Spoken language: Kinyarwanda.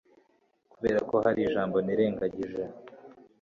Kuberako hari ijambo nirengagije